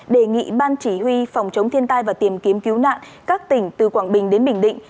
đề nghị ban chỉ huy phòng chống thiên tai và tìm kiếm cứu nạn các tỉnh từ quảng bình đến bình định